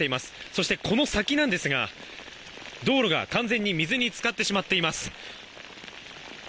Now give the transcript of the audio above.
そして、この先ですが道路が完全に水に浸かってしまっています。